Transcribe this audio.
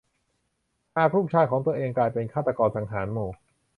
หากลูกชายของตัวเองกลายเป็นฆาตกรสังหารหมู่